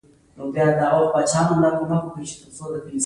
د هغه د دې پوښتنې ځواب به په اصولو کې ومومئ.